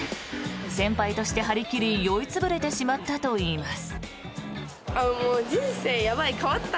先輩として張り切り酔い潰れてしまったといいます。